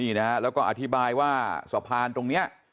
นี่นะฮะแล้วก็อธิบายว่าสะพานตรงนี้